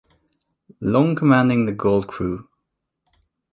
Long commanding the Gold crew.